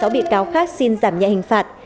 một mươi sáu bị cáo khác xin giảm nhẹ hình phạt